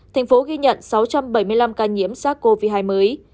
thành phố ghi nhận sáu trăm bảy mươi năm ca nhiễm sars cov hai mới